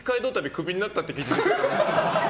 クビになったって聞いたんですけど。